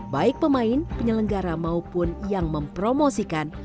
baik pemain penyelenggara maupun yang mempromosikan